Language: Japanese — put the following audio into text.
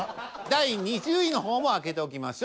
第２０位の方も開けておきましょう。